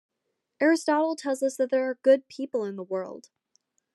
Aristotle tells us that there are good people in the world.